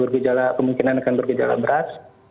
kemungkinan akan bergejala berat